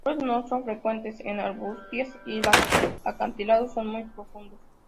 Los árboles no son frecuentes, es arbustiva, y los acantilados son muy profundos.